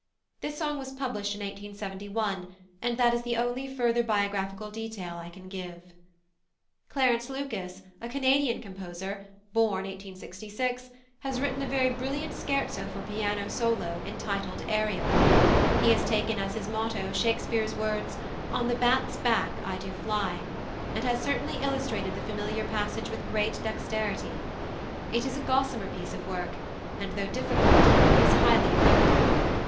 This song was published in 1871, and that is the only further biographical detail I can give. +Clarence Lucas+, a Canadian composer (b. 1866), has written a very brilliant Scherzo for piano solo, entitled "Ariel." He has taken as his motto Shakespeare's words, "On the bat's back I do fly," and has certainly illustrated the familiar passage with great dexterity. It is a gossamer piece of work, and, though difficult, is highly effective.